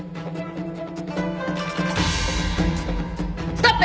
ストップ！